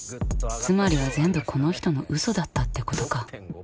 つまりは全部この人のうそだったってこと６．５％。